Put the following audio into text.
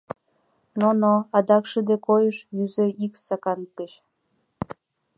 Но, но, адак шыде койыш, йӱза ик сакан гыч.